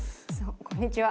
こんにちは。